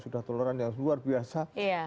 sudah toleran yang luar biasa